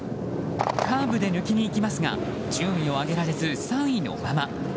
カーブで抜きにいきますが順位を上げられず３位のまま。